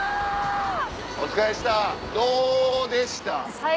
お疲れっしたどうでした？